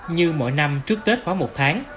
như mỗi năm trước tết khoảng một tháng